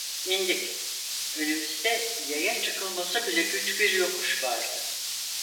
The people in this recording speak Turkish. İndik, önümüzde yaya çıkılması bile güç bir yokuş vardı.